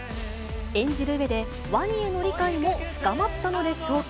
演じるうえで、ワニへの理解も深まったのでしょうか。